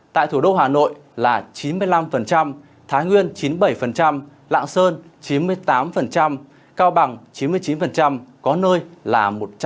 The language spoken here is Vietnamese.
tại thủ đô hà nội là chín mươi năm thái nguyên chín mươi bảy lạng sơn chín mươi tám cao bằng chín mươi chín có nơi là một trăm linh